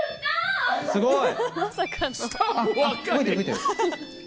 すごい！